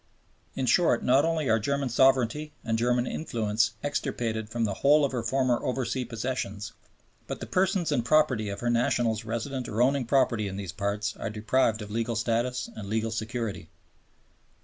In short, not only are German sovereignty and German influence extirpated from the whole of her former oversea possessions, but the persons and property of her nationals resident or owning property in those parts are deprived of legal status and legal security.